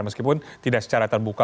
meskipun tidak secara terbuka